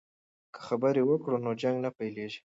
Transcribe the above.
که خبرې وکړو نو جنګ نه پیلیږي.